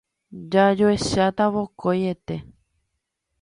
Jajoecháta vokoiete.